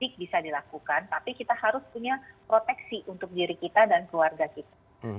mudik bisa dilakukan tapi kita harus punya proteksi untuk diri kita dan keluarga kita